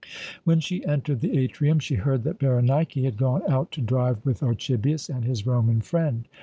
When she entered the atrium she heard that Berenike had gone out to drive with Archibius and his Roman friend.